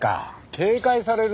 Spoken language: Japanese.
警戒されるだろ。